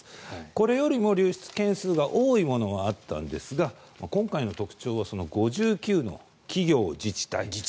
これよりも流出件数が多いものはあったんですが今回の特徴は５９の企業、自治体。